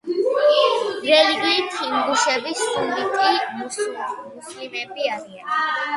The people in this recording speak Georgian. რელიგიით ინგუშები სუნიტი მუსლიმები არიან.